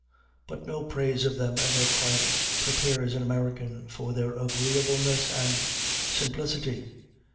But no praise of them ever quite prepares an American for their agreeableness and simplicity.